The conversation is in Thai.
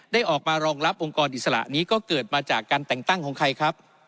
ได้ออกมารองรับองค์กรอิสระนี้ก็เกิดมาจากการแต่งตั้งของใครครับ